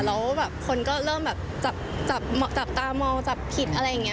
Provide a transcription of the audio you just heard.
แล้วแบบคนก็เริ่มแบบจับตามองจับผิดอะไรอย่างนี้